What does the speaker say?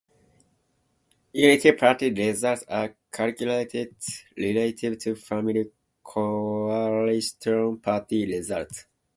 Unity Party results are calculated relative to Family Coalition Party results.